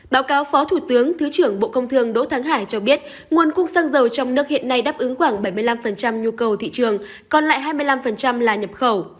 báo cáo phó thủ tướng thứ trưởng bộ công thương đỗ thắng hải cho biết nguồn cung xăng dầu trong nước hiện nay đáp ứng khoảng bảy mươi năm nhu cầu thị trường còn lại hai mươi năm là nhập khẩu